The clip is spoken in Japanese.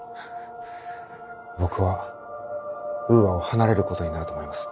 僕はウーアを離れることになると思います。